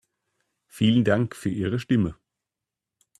Vielen Dank für Ihre Stimme.